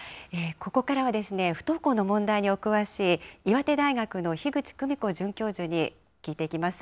ここからは、不登校の問題にお詳しい、岩手大学の樋口くみ子准教授に聞いていきます。